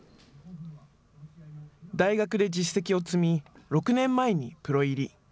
大学で実績を積み６年前にプロ入り。